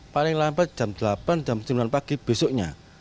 paling lambat jam delapan jam sembilan pagi besoknya